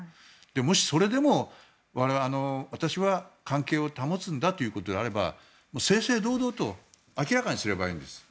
もし、それでも私は関係を保つんだということであれば正々堂々と明らかにすればいいんです。